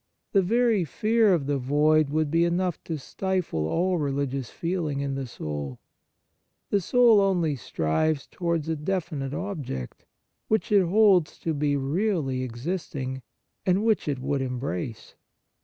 The very fear of the void would be enough to stifle all religious feeling in the soul. The soul only strives towards a definite object, which it holds to be really existing, and which it would embrace.